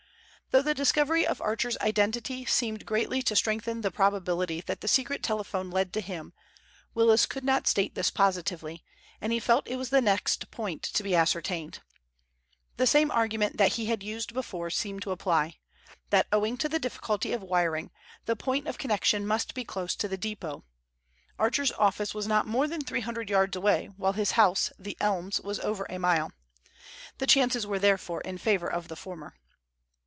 Though the discovery of Archer's identity seemed greatly to strengthen the probability that the secret telephone led to him, Willis could not state this positively, and he felt it was the next point to be ascertained. The same argument that he had used before seemed to apply—that owing to the difficulty of wiring, the point of connection must be close to the depot. Archer's office was not more than three hundred yards away, while his house, The Elms, was over a mile. The chances were therefore in favor of the former.